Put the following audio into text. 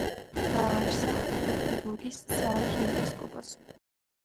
დააარსა მეკლენბურგის საარქიეპისკოპოსო.